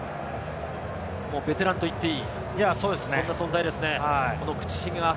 もうベテランと言っていい、そんな存在ですね。